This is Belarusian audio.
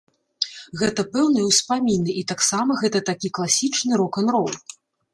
Гэта пэўныя ўспаміны і таксама гэта такі класічны рок-н-рол.